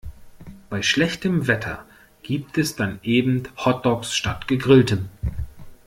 Bei schlechtem Wetter gibt es dann eben Hotdogs statt Gegrilltem.